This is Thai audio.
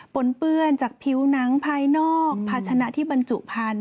นเปื้อนจากผิวหนังภายนอกภาชนะที่บรรจุพันธุ